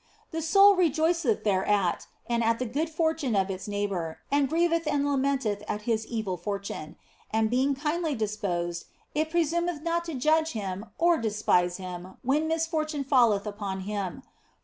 The soul rejoiceth thereat and at the good fortune of its neigh bour, and grieveth and lamenteth at his evil fortune ; and being kindly disposed it presumeth not to judge him or despise him when misfortune falleth upon him.